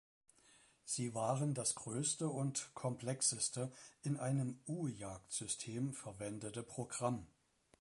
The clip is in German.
Sie waren das größte und komplexeste in einem U-Jagd-System verwendete Programm.